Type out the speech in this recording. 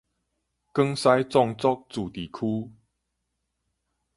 廣西壯族自治區